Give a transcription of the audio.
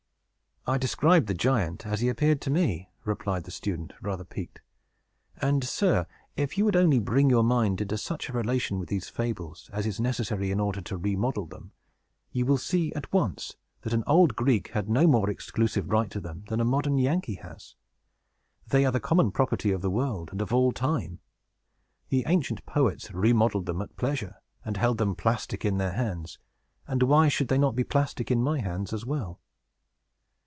"I described the giant as he appeared to me," replied the student, rather piqued. "And, sir, if you would only bring your mind into such a relation with these fables as is necessary in order to remodel them, you would see at once that an old Greek had no more exclusive right to them than a modern Yankee has. They are the common property of the world, and of all time. The ancient poets remodeled them at pleasure, and held them plastic in their hands; and why should they not be plastic in my hands as well?"